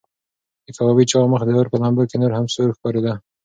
د کبابي چاغ مخ د اور په لمبو کې نور هم سور ښکارېده.